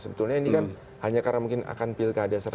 sebetulnya ini kan hanya karena mungkin akan pilkada serenta